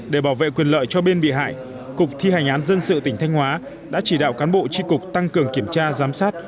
để bảo vệ quyền lợi cho bên bị hại cục thi hành án dân sự tỉnh thanh hóa đã chỉ đạo cán bộ tri cục tăng cường kiểm tra giám sát